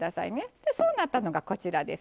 でそうなったのがこちらです。